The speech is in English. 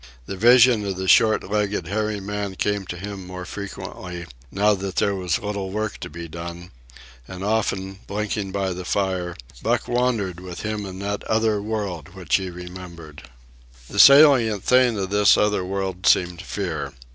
The vision of the short legged hairy man came to him more frequently, now that there was little work to be done; and often, blinking by the fire, Buck wandered with him in that other world which he remembered. The salient thing of this other world seemed fear.